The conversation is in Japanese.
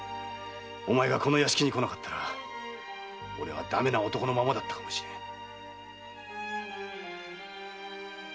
お前がこの屋敷に来なかったら俺はダメな男のままだったかもしれぬ。